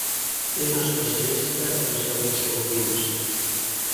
És un especialista en pseudoescorpins.